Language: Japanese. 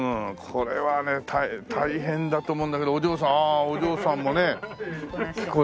これはね大変だと思うんだけどお嬢さんああお嬢さんもね着こなしてるよね。